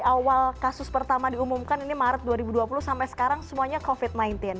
awal kasus pertama diumumkan ini maret dua ribu dua puluh sampai sekarang semuanya covid sembilan belas